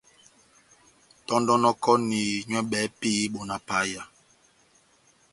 Tɔndonokɔni nywɛ bɛhɛpi bona paya.